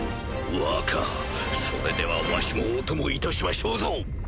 若それではわしもお供いたしましょうぞ。